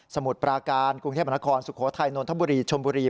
มุดปราการกรุงเทพมนครสุโขทัยนนทบุรีชมบุรี